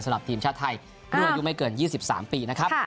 สำหรับทีมชาติไทยรุ่นอายุไม่เกิน๒๓ปีนะครับ